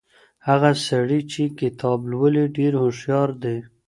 هغه سړی چي کتاب لولي ډېر هوښیار دی.